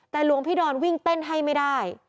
แต่หลวงพี่ดอนวิ่งเต้นให้ไม่ได้